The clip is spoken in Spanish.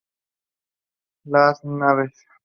Las Naves